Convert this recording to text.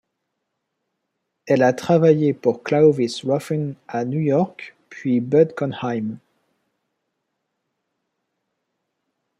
Elle a travaillé pour Clovis Ruffin à New York puis pour Bud Konheim.